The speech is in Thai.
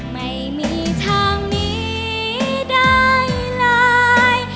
ไม่มีทางนี้ได้เลย